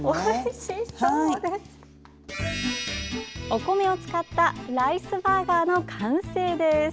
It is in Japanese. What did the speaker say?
お米を使ったライスバーガーの完成です。